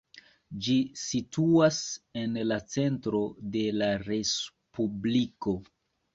Ĝi situas en la centro de la respubliko.